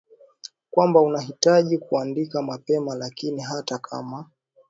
kwamba unahitaji kuandika mapema Lakini hata kama